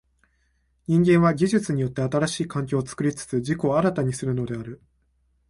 人間は技術によって新しい環境を作りつつ自己を新たにするのである。